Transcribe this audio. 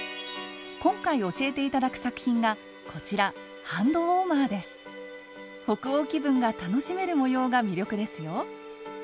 今回教えていただく作品がこちら北欧気分が楽しめる模様が魅力ですよ。